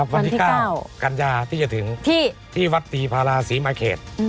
วันที่๙กันยาที่จะถึงที่วัดตีพาราศรีมาเขต